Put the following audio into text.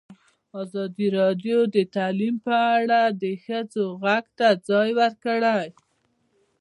ازادي راډیو د تعلیم په اړه د ښځو غږ ته ځای ورکړی.